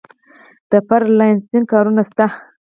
د فری لانسینګ کارونه شته؟